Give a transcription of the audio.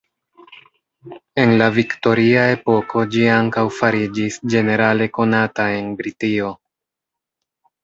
En la viktoria epoko ĝi ankaŭ fariĝis ĝenerale konata en Britio.